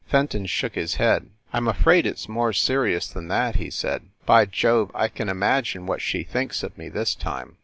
Fenton shook his head. "I m afraid it s more serious than that," he said. "By Jove, I can imagine what she thinks of me this time!